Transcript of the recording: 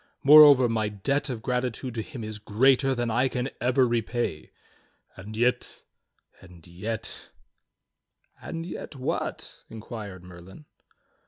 Moreover, my debt of gratitude to him is greater than I can ever repay. And yet — and yet —" "And yet what?" inquired Merlin.